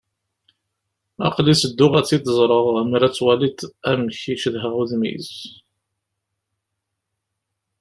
Aql-i tedduɣ ad tt-id-ẓreɣ. Ammer ad twaliḍ amek i cedhaɣ udem-is.